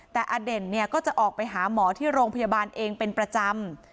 แต่อเด่นเนี่ยก็จะออกไปหาหมอที่โรงพยาบาลเองเป็นประจำ